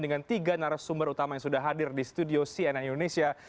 dengan tiga narasumber utama yang sudah hadir di studio cnn indonesia